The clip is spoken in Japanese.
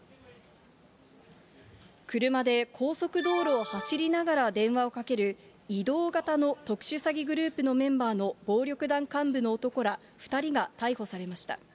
車で高速道路を走りながら電話をかける、移動型の特殊詐欺グループメンバーの暴力団幹部の男ら２人が逮捕されました。